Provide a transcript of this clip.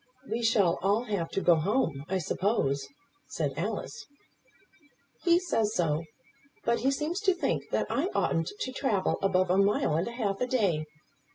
"We shall all have to go home, I suppose?" said Alice. "He says so; but he seems to think that I oughtn't to travel above a mile and a half a day.